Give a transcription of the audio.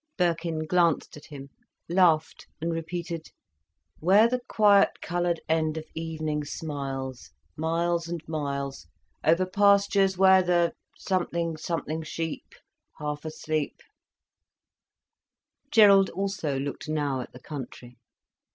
Birkin glanced at him, laughed, and repeated: "'Where the quiet coloured end of evening smiles, Miles and miles, Over pastures where the something something sheep Half asleep—'" Gerald also looked now at the country.